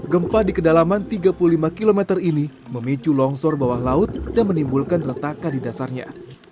gempa di kedalaman tiga puluh lima km ini memicu longsor bawah laut dan menimbulkan retaka di dasarnya